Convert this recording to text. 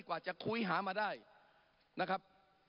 กว่าจะคุยหามาได้นะครับ